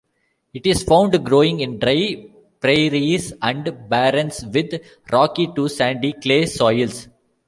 It is found growing in dry prairies and barrens with rocky to sandy-clay soils.